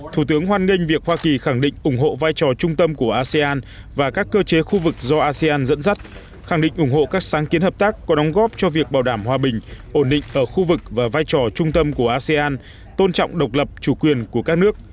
thủ tướng hoan nghênh việc hoa kỳ khẳng định ủng hộ vai trò trung tâm của asean và các cơ chế khu vực do asean dẫn dắt khẳng định ủng hộ các sáng kiến hợp tác có đóng góp cho việc bảo đảm hòa bình ổn định ở khu vực và vai trò trung tâm của asean tôn trọng độc lập chủ quyền của các nước